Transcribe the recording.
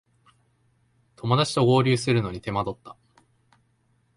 友だちと合流するのに手間取った